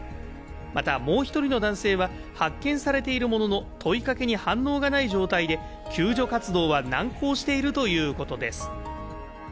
また、もう１人の男性は発見されているものの問いかけに反応がない状態で、救助活動は難航しているということです。